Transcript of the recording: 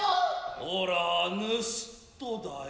おらァ盗人だよ。